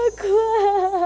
aku gak kuat